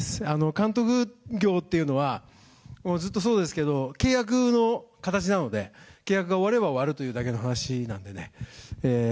監督業っていうのは、ずっとそうですけど、契約の形なので、契約が終われば終わるというだけの話なんでね。